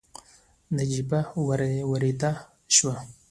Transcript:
نجيبه ورياده شوه.